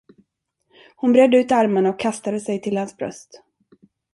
Hon bredde ut armarna och kastade sig till hans bröst.